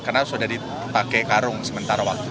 karena sudah dipakai karung sementara waktu